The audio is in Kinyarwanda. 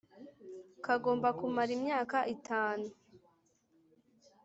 kagomba kumara imyaka itanu.